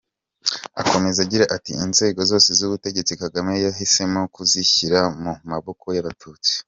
Akomeza agira ati “inzego zose z’ubutegetsi Kagame yahisemo kuzishyira mu maboko y’Abatutsi.”